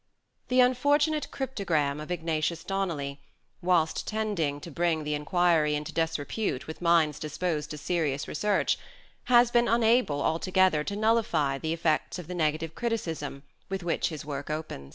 The unfortunate " cryptogram " of Ignatius Donnelly, whilst tending to bring the enquiry into disrepute with minds disposed to serious research, has been unable altogether to nullify the effects of the negative criticism with which his work opens.